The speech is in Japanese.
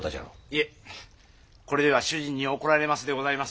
いえこれでは主人に怒られますでございます。